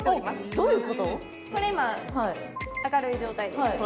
これ今、明るい状態です。